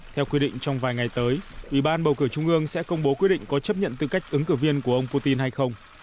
theo quy định trong vài ngày tới ủy ban bầu cử trung ương sẽ công bố quyết định có chấp nhận tư cách ứng cử viên của ông putin hay không